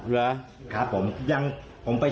ลืมรรดิ